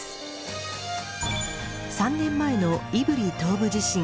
３年前の胆振東部地震。